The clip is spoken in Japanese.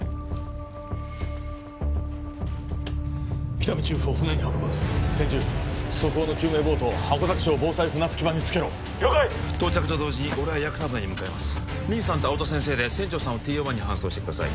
喜多見チーフを船に運ぶ千住即応の救命ボートを箱崎町防災船着場につけろ了解到着と同時に俺は屋形船に向かいますミンさんと青戸先生で船長さんをＴＯ１に搬送してください